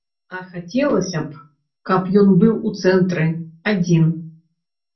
А хацелася б, каб ён быў у цэнтры, адзін.